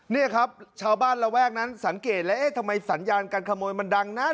นี่ครับชาวบ้านระแวกนั้นสังเกตแล้วเอ๊ะทำไมสัญญาการขโมยมันดังนั้น